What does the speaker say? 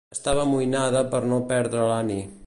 Estava amoïnada per no perdre l'Annie.